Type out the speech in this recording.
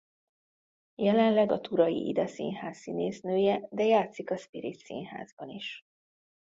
Jelenleg a Turay Ida Színház színésznője de játszik a Spirit Színházban is.